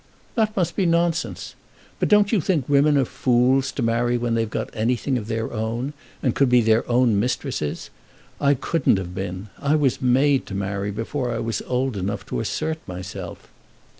"That must be nonsense. But don't you think women are fools to marry when they've got anything of their own, and could be their own mistresses? I couldn't have been. I was made to marry before I was old enough to assert myself."